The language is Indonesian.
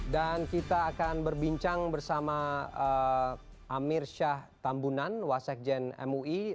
dan kita akan berbincang bersama amir syah tambunan wasekjen mui